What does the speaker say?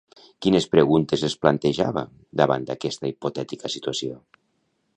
Quines preguntes es plantejava davant d'aquesta hipotètica situació?